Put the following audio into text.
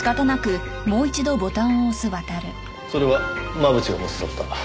それは真渕が持ち去った。